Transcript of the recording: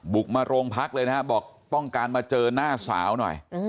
บุกมาโรงพักเลยนะครับบอกต้องการมาเจอหน้าสาวหน่อย